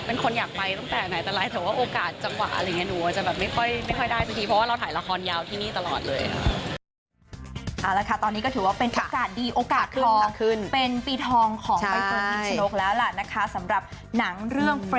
เป็นคนอยากไปตั้งแต่ไหนแต่ไรแต่ว่าโอกาสจังหวะอะไรอย่างนี้หนูว่าจะแบบ